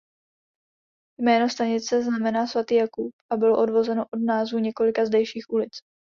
Jméno stanice znamená svatý Jakub a bylo odvozeno od názvů několika zdejších ulic.